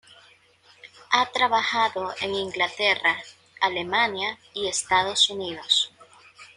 Ha trabajado en Inglaterra, Alemania y Estados Unidos.